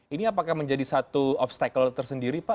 ini apakah menjadi satu obstacle tersendiri pak